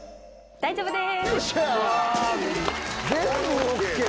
大丈夫です。